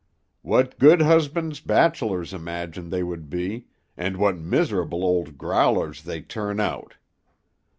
"What good husbands bachelors imagine they would be, and what miserable old growlers they turn out.